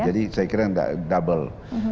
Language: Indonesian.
jadi saya kira tidak double